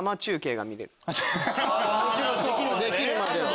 できるまでを。